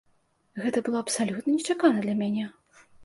Гэта было абсалютна нечакана для мяне.